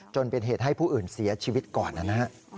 จนเป็นเหตุให้ผู้อื่นเสียชีวิตก่อนนะฮะ